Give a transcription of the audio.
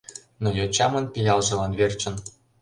Но йочамын пиалжылан верчын